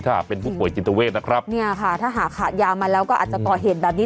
ถ้าเป็นผู้ป่วยจิตเวทนะครับเนี่ยค่ะถ้าหากขาดยามาแล้วก็อาจจะก่อเหตุแบบนี้